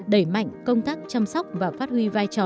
đẩy mạnh công tác chăm sóc và phát huy vai trò của người cao tuổi